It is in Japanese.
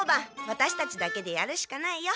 ワタシたちだけでやるしかないよ。